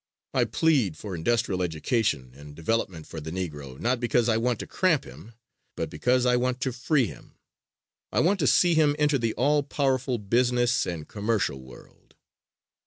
I plead for industrial education and development for the Negro not because I want to cramp him, but because I want to free him. I want to see him enter the all powerful business and commercial world.